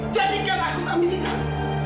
jadikan aku kami hitam